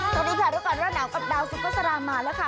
สวัสดีค่ะรู้ก่อนร้อนหนาวกับดาวซุปเปอร์สารามาแล้วค่ะ